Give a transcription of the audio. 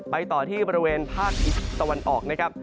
ต่อที่บริเวณภาคตะวันออกนะครับ